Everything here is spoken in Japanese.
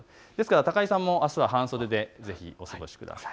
高井さんも、ぜひ半袖でお過ごしください。